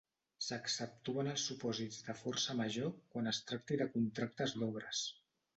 S'exceptuen els supòsits de força major quan es tracti de contractes d'obres.